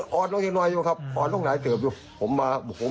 บอกทุกมาครับฮฆ่าทุกกับพ่ง